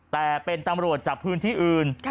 แต่เป็นตำรวจจากพื้นที่อื่น